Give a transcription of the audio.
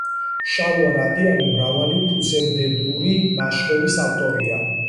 შალვა რადიანი მრავალი ფუძემდებლური ნაშრომის ავტორია.